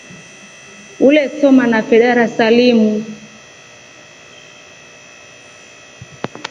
Ulesoma nafe darasa limu.